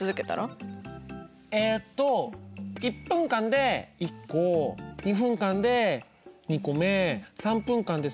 えっと１分間で１個２分間で２個目３分間で３。